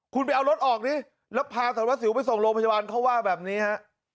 คุณไปเอารถออกดิแล้วพาสารวัสสิวไปส่งโรงพยาบาลเขาว่าแบบนี้ฮะ